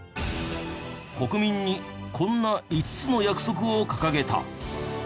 国民にこんな５つの約束を掲げた。